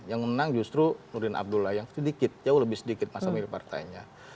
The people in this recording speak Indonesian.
yang menang justru nurdin abdullah yang sedikit jauh lebih sedikit masa mirip partainya